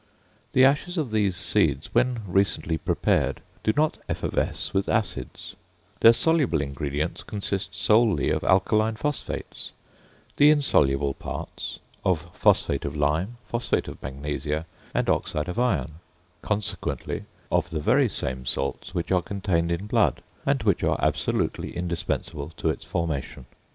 The ashes of these seeds when recently prepared, do not effervesce with acids; their soluble ingredients consist solely of alkaline phosphates, the insoluble parts of phosphate of lime, phosphate of magnesia, and oxide of iron: consequently, of the very same salts which are contained in blood, and which are absolutely indispensable to its formation.